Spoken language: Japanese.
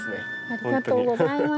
ありがとうございます。